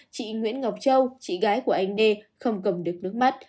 chị nguyễn ngọc châu chị gái của anh đê không cầm được nước mắt